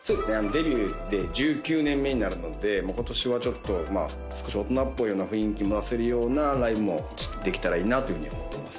デビュー１９年目になるので今年はちょっとまあ少し大人っぽいような雰囲気も出せるようなライブもできたらいいなというふうに思っています